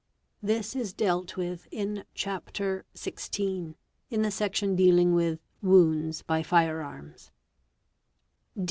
This is dealt with in fg hapter XVI, in the section dealing with Wounds by fire arms.